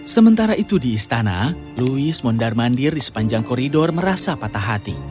sementara itu di istana louis mondar mandir di sepanjang koridor merasa patah hati